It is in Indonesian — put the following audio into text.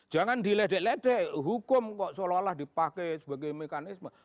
jangan diledek ledek hukum kok seolah olah dipakai sebagai mekanisme